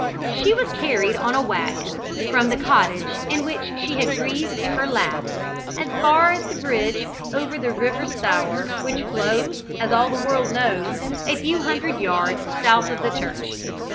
She was carried on a waggon, from the cottage in which she had breathed her last, as far as the bridge over the river Stour, which flows, as all the world knows, a few hundred yards south of the church.